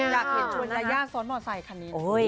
อยากเห็นชวนยาย่าซ้อนหมอเตอร์ไซค์คันนี้